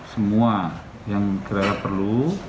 semua yang kira kira perlu